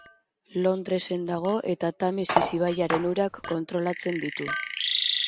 Londresen dago eta Tamesis ibaiaren urak kontrolatzen ditu.